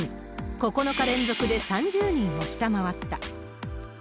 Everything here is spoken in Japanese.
９日連続で３０人を下回った。